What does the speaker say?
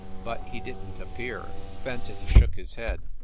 But he didn t appear." Fenton shook his head.